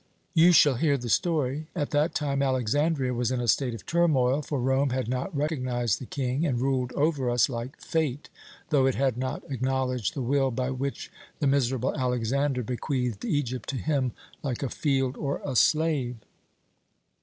You shall hear the story. At that time Alexandria was in a state of turmoil, for Rome had not recognized the King, and ruled over us like Fate, though it had not acknowledged the will by which the miserable Alexander bequeathed Egypt to him like a field or a slave.